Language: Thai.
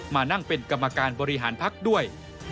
มานั่งเป็นกรรมการบริหารพักด้วย